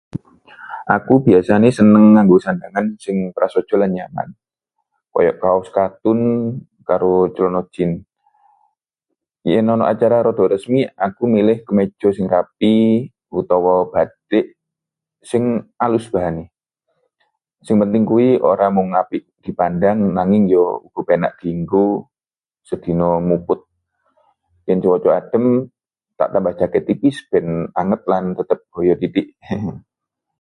Aku biasane seneng nganggo sandhangan sing prasaja lan nyaman, kaya kaos katun karo celana jins. Yen ana acara rada resmi, aku milih kemeja rapi utawa batik sing alus bahane. Sing penting kuwi ora mung apik dipandang, nanging uga kepenak dienggo sedina muput. Yen cuaca adhem, tak tambah jaket tipis ben anget lan tetep gaya sithik, hehe.